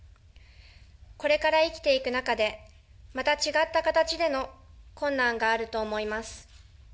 これから生きていく中で、また違った形での困難があると思います。